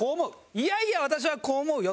「いやいや私はこう思うよ」。